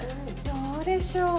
どうでしょう？